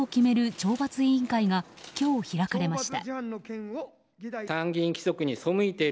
懲罰委員会が今日開かれました。